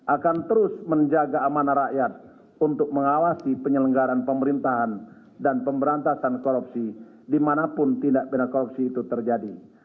akan terus menjaga amanah rakyat untuk mengawasi penyelenggaran pemerintahan dan pemberantasan korupsi dimanapun tindak pindah korupsi itu terjadi